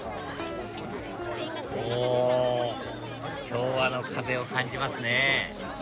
昭和の風を感じますね